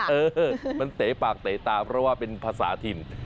เออมันเตะปากเตะตาเพราะว่าเป็นภาษาถิ่น